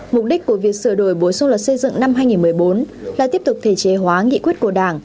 mục đích của việc sửa đổi bổ sung luật xây dựng năm hai nghìn một mươi bốn là tiếp tục thể chế hóa nghị quyết của đảng